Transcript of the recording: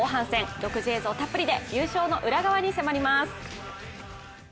独自映像たっぷりで、優勝の裏側に迫ります。